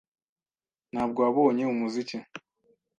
Ntabwo wabonye umuziki?